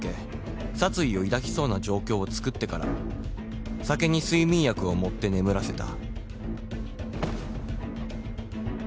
殺意を抱きそうな状況をつくってから酒に睡眠薬を盛って眠らせた。